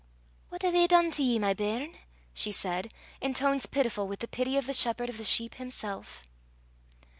"What hae they dune to ye, my bairn?" she said, in tones pitiful with the pity of the Shepherd of the sheep himself.